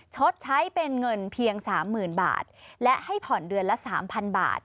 ชดใช้เป็นเงินเพียงสามหมื่นบาทและให้ผ่อนเดือนละ๓๐๐บาท